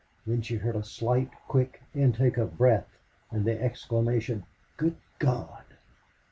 Then she heard a slight, quick intake of breath, and the exclamation, "Good God!"